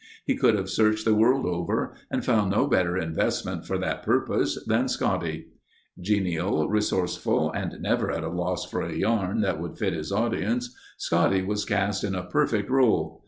He could have searched the world over and found no better investment for that purpose than Scotty. Genial, resourceful, and never at a loss for a yarn that would fit his audience, Scotty was cast in a perfect role.